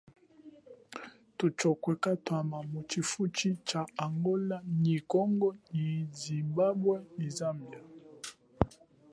Thutshokwe katwama mu chifuchi cha Angola nyi Zimbabwe nyi Congo nyi Zambie.